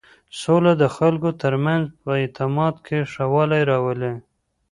سوله د خلکو تر منځ په اعتماد کې ښه والی راولي.